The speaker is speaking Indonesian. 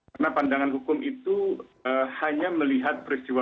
karena pandangan hukum itu hanya melihat peristiwa